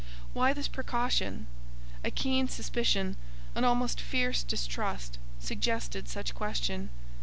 Why this precaution? A keen suspicion, an almost fierce distrust, suggested such question.